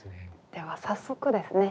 では早速ですね